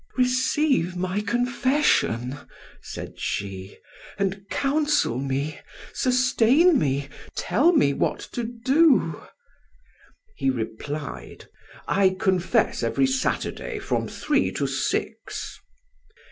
"Receive my confession," said she, "and counsel me, sustain me, tell me what to do." He replied: "I confess every Saturday from three to six."